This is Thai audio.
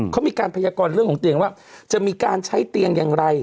เขามีการพยากรเรื่องของเตียงว่าจะมีการใช้เตียงอย่างไร